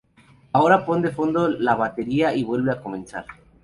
Ahora pon de fondo la batería y vuelve a comenzar.